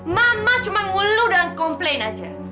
mama cuma ngeluh dan komplain aja